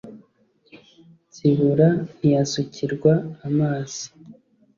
ntsibura ntiyasukirwa amazi